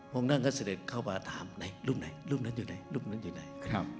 นั่นก็เสด็จเข้ามาถามไหนรูปไหนรูปนั้นอยู่ไหนรูปนั้นอยู่ไหน